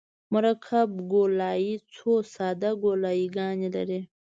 مرکب ګولایي څو ساده ګولایي ګانې لري